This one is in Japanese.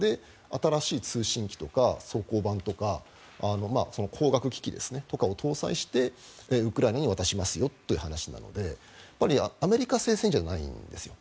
新しい通信機とか装甲版とか光学機器を搭載してウクライナに渡しますよという話なのでアメリカ製じゃないんです。